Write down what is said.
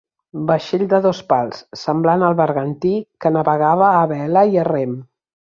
Vaixell de dos pals, semblant al bergantí que navegava a vela i a rem.